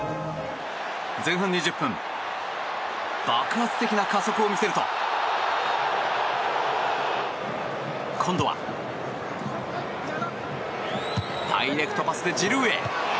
前半２０分爆発的な加速を見せると今度はダイレクトパスでジルーへ。